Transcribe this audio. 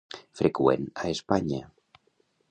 Freqüent a Espanya.